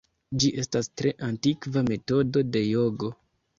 Ĝi estas tre antikva metodo de jogo.